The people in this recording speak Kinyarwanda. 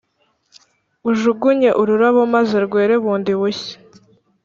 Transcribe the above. Ujugunye ururabo maze rwere bundi bushya